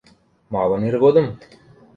Малын иргодым?